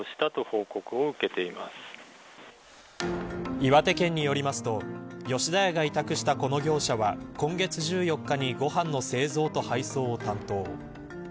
岩手県によりますと吉田屋が委託したこの業者は今月１４日にご飯の製造と配送を担当。